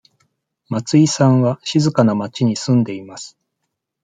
松井さんは静かな町に住んでいます。